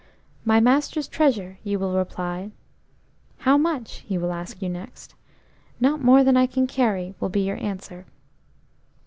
'My master's treasure,' you will reply. 'How much?' he will ask you next. 'Not more than I can carry,' will be your answer.